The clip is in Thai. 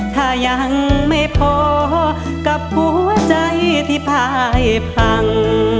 ถ้ายังไม่พอกับหัวใจที่พายพัง